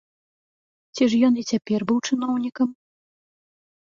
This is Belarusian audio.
Ці ж ён і цяпер быў чыноўнікам?